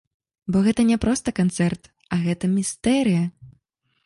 Бо гэта не проста канцэрт, а гэта містэрыя.